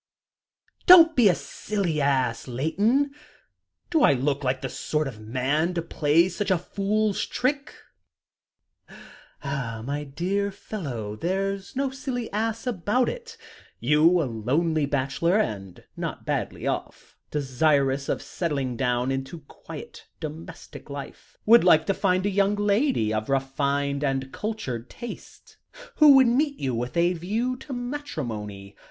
"Don't be a silly ass, Layton. Do I look the sort of man to play such a fool's trick?" "My dear fellow, there's no silly ass about it. You, a lonely bachelor, and not badly off desirous of settling down into quiet, domestic life, would like to find a young lady of refined and cultured tastes who would meet you with a view to matrimony.